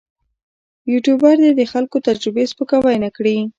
یوټوبر دې د خلکو تجربې سپکاوی نه کړي.